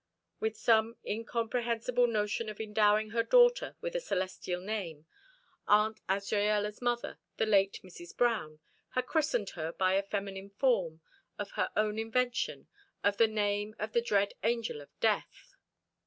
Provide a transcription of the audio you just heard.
With some incomprehensible notion of endowing her daughter with a celestial name Aunt Azraella's mother, the late Mrs. Brown, had christened her by a feminine form, of her own invention, of the name of the dread angel of death.